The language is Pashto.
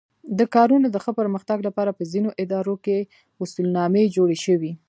د کارونو د ښه پرمختګ لپاره په ځینو ادارو کې اصولنامې جوړې شوې.